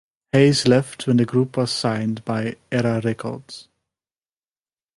Hays left when the group was signed by Era Records.